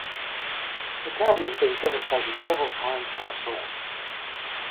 The county has been devastated several times by storms.